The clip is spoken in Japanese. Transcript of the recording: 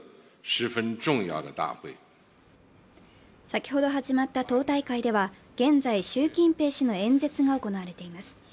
先ほど始まった党大会では現在習近平氏の演説が行われています。